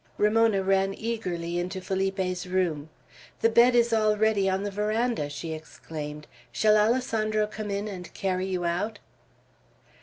Ramona ran eagerly into Felipe's room, "The bed is all ready on the veranda," she exclaimed. "Shall Alessandro come in and carry you out?"